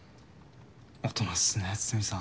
大人っすね筒見さん。